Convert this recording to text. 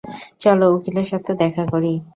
চলো উকিলের সাথে দেখা করি।